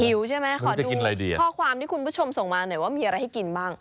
ใช่ไหมขอดูข้อความที่คุณผู้ชมส่งมาหน่อยว่ามีอะไรให้กินบ้าง